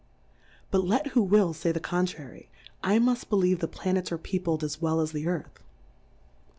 But let who will fay the contrary, I muft be lieve the Planets are peopled as well as the Earth.